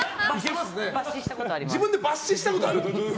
自分で抜歯したことある？